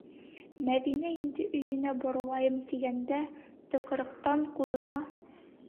Мәҙинә инде өйөнә боролайым тигәндә, тыҡрыҡтан ҡулына